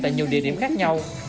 tại nhiều địa điểm khác nhau